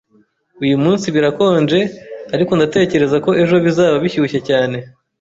Uyu munsi birakonje, ariko ndatekereza ko ejo bizaba bishyushye cyane.